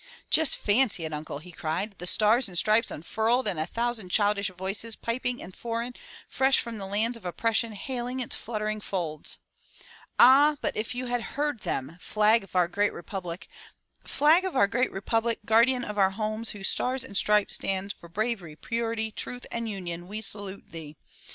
Just fancy it, uncle!" he cried. "The Stars and Stripes unfurled, and a thousand childish voices, piping and foreign, fresh from the lands of oppression, hailing its fluttering folds. 194 FROM THE TOWER WINDOW Ah! but if you had heard them — *Flag of our Great Repubhc* — the words have gone singing at my heart ever since — 'Flag of our Great Republic, Guardian of our homes, whose stars and stripes stand for Bravery, Purity, Truth and Union, we salute thee.